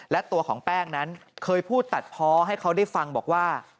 และตัวของแป้งนั้นเคยพูดตัดเพาะให้เขาได้ฟังบอกว่า